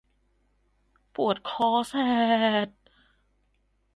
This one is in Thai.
ปวดคอแสรด